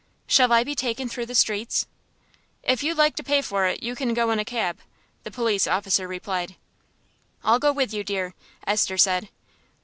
"Shall I be taken through the streets?" "If you like to pay for it, you can go in a cab," the police officer replied. "I'll go with you, dear," Esther said.